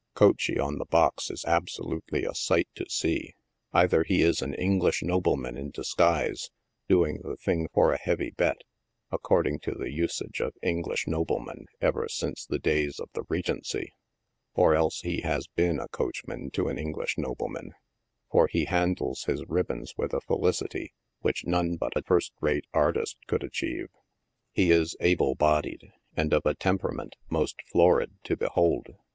Coachey on the box is absolutely a sight to see. Either he is an English nobleman in disguise, doing the thing for a heavy bet — ac cording to the usage of English noblemen ever since the days of the Regency — or else he has been coachman to an English noble man, for he handles his ribbons with a felicity which none but a first rate artist could achieve. He is able bodied, and of a tempe rament most florid to behold.